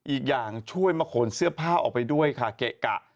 อีกอย่างช่วยมาขนเสื้อผ้าออกไปด้วยค่ะเกะกะ